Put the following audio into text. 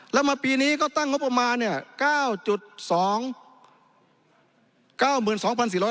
แล้วมาปีนี้ก็ตั้งงบประมาณเนี่ย